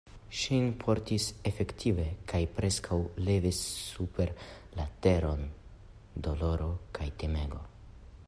Ŝin portis efektive kaj preskaŭ levis super la teron doloro kaj timego.